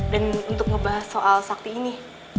dan untuk membahas soal sakti ini